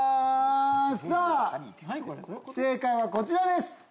さぁ正解はこちらです！